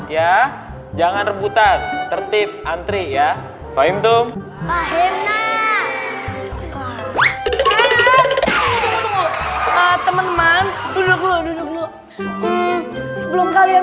ya jangan rebutan tertib antri ya fahim tum fahim nah teman teman dulu dulu sebelum kalian